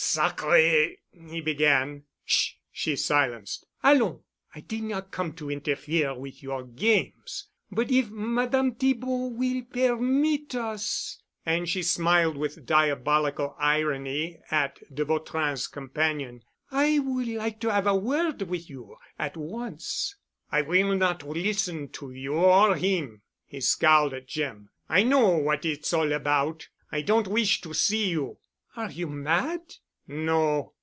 "Sacré——" he began. "Sh——," she silenced. "Allons. I did not come to interfere with your games, but if Madame Thibaud will permit us——" and she smiled with diabolical irony at de Vautrin's companion—"I would like to have a word with you at once." "I will not listen to you—or him." He scowled at Jim. "I know what it's all about. I don't wish to see you." "Are you mad?" "No."